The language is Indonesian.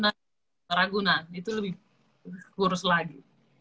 mas pragu na itu lebih kurus lagi